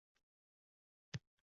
Tizzasiga urib-urib kuldi.